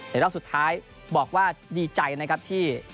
รอบสุดท้ายบอกว่าดีใจนะครับที่